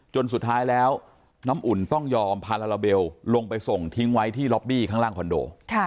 สุดท้ายแล้วน้ำอุ่นต้องยอมพาลาลาเบลลงไปส่งทิ้งไว้ที่ล็อบบี้ข้างล่างคอนโด